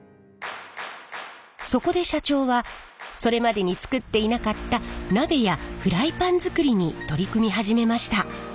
そこで社長はそれまでに作っていなかった鍋やフライパン作りに取り組み始めました。